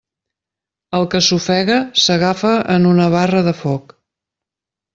El que s'ofega s'agafa en una barra de foc.